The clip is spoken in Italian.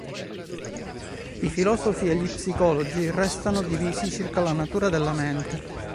I filosofi e gli psicologi restano divisi circa la natura della mente.